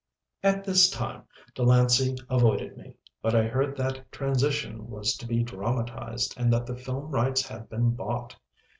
At this time, Delancey avoided me, but I heard that "Transition" was to be dramatised and that the film rights had been bought.